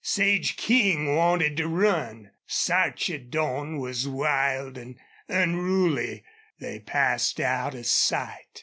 Sage King wanted to run. Sarchedon was wild and unruly. They passed out of sight.